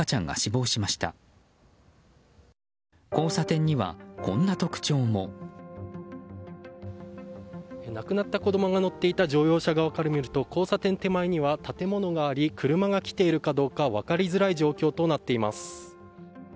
亡くなった子供が乗っていた乗用車側から見ると交差点手前には建物があり車が来ているかどうか分かりづらい状況となっています。